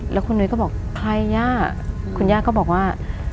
แล้วคุณนุ้ยก็บอกใครย่าคุณย่าก็บอกว่า